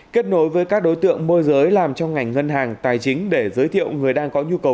kết nối với các đối tượng môi giới làm trong ngành ngân hàng tài chính để giới thiệu người đang có nhu cầu